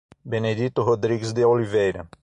Benedito Rodrigues de Oliveira